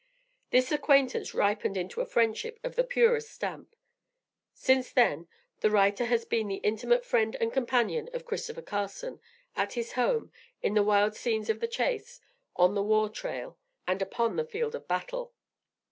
This acquaintance ripened into a friendship of the purest stamp. Since then, the writer has been the intimate friend and, companion of Christopher Carson, at his home, in the wild scenes of the chase, on the war trail, and upon the field of battle.